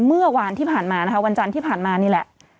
เมื่อวานที่ผ่านมานะคะวันจันทร์ที่ผ่านมานี่แหละ